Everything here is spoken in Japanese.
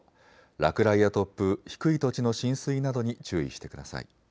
落雷や突風、低い土地の浸水などに注意してください。